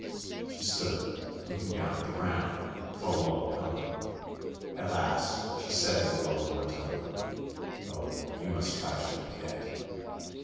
She stood looking down at the ground ... for a long time. At last she said in a low monotone: "Oh, you must try to forget."